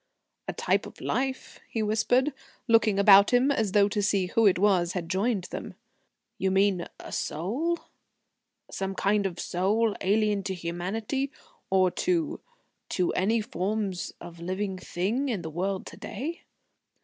"A type of life?" he whispered, looking about him, as though to see who it was had joined them; "you mean a soul? Some kind of soul, alien to humanity, or to to any forms of living thing in the world to day?"